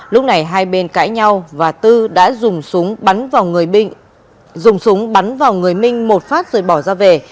lúc này hai bên cãi nhau và tư đã dùng súng bắn vào người minh một phát rồi bỏ ra về